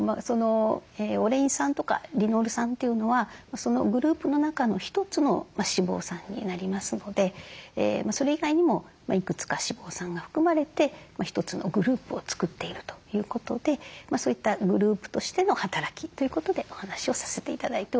オレイン酸とかリノール酸というのはそのグループの中の一つの脂肪酸になりますのでそれ以外にもいくつか脂肪酸が含まれて一つのグループを作っているということでそういったグループとしての働きということでお話をさせて頂いております。